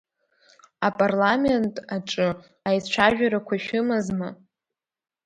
Апарламент аҿы аицәажәарақәа шәымазма?